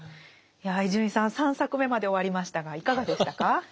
いや伊集院さん３作目まで終わりましたがいかがでしたか？